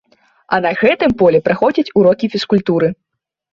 А на гэтым полі праходзяць урокі фізкультуры.